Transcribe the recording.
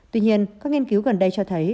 tuy nhiên các nghiên cứu gần đây cho thấy